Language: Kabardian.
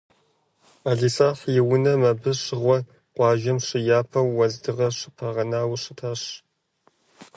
Ӏэлисахь и унэм абы щыгъуэ, къуажэм щыяпэу, уэздыгъэ щыпагъэнауэ щытащ.